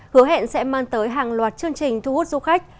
hứa hẹn sẽ mang tới hàng loạt chương trình thu hút du khách